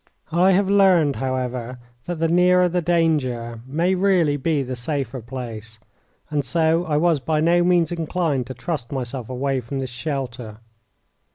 I have learned, however, that the nearer the danger may really be the safer place, and so I was by no means inclined to trust myself away from this shelter.